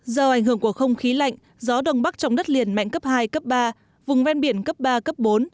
do ảnh hưởng của không khí lạnh gió đông bắc trong đất liền mạnh cấp hai cấp ba vùng ven biển cấp ba cấp bốn